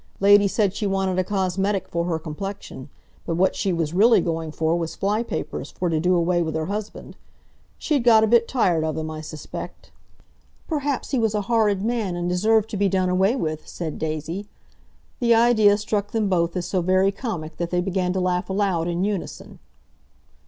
Lady said she wanted a cosmetic for her complexion, but what she was really going for was flypapers for to do away with her husband. She'd got a bit tired of him, I suspect." "Perhaps he was a horrid man, and deserved to be done away with," said Daisy. The idea struck them both as so very comic that they began to laugh aloud in unison.